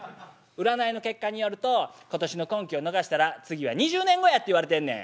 「占いの結果によると今年の婚期を逃したら次は２０年後やって言われてんねん。